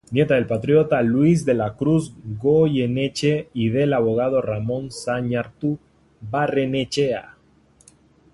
Nieta del patriota Luis de la Cruz Goyeneche y del abogado Ramón Zañartu Barrenechea.